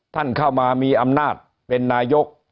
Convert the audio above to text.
ท่านเข้ามามีอำนาจเป็นนายก